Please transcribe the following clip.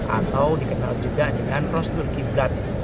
atau dikenal juga dengan prosedur qiblat